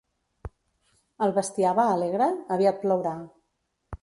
El bestiar va alegre? Aviat plourà.